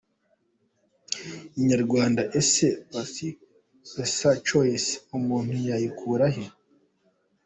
Inyarwanda: Ese Pesachoice umuntu yayikura he?.